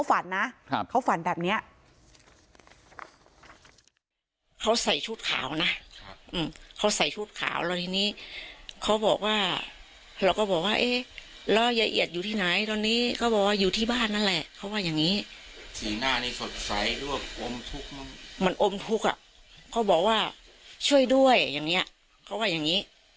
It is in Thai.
อันนี้เขาฝันนะเขาฝันแบบนี้